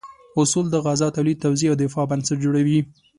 اصول د غذا تولید، توزیع او دفاع بنسټ جوړوي.